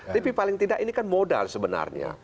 tapi paling tidak ini kan modal sebenarnya